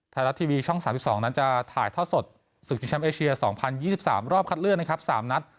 ไทยรัฐทีวีช่อง๓๒นั้นจะถ่ายท่อสดศูนย์เชียมเอเชีย๒๐๒๓รอบคัดเลื่อน๓นัด